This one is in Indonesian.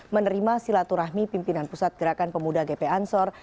menerima silaturahmi pimpinan pusat gerakan pemuda gp ansor